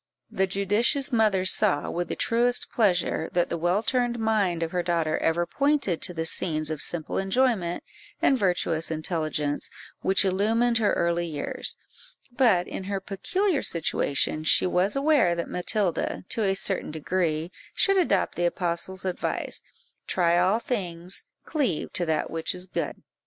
The judicious mother saw, with the truest pleasure, that the well turned mind of her daughter ever pointed to the scenes of simple enjoyment and virtuous intelligence which illumined her early years; but, in her peculiar situation, she was aware that Matilda, to a certain degree, should adopt the apostle's advice "Try all things, cleave to that which is good."